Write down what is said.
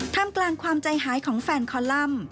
ทำกลางความใจหายของแฟนคอลัมป์